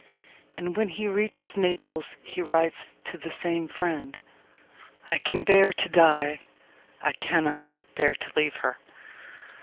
And when he reaches Naples he writes to the same friend: I can bear to die I cannot bear to leave her.